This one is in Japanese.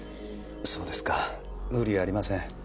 そうですか無理ありません。